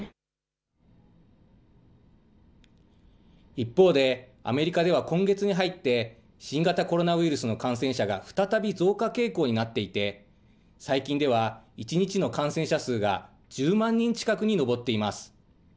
一方で、アメリカでは今月に入って、新型コロナウイルスの感染者が再び増加傾向になっていて、最近では、１日の感染者数が１０万人近くに上っています。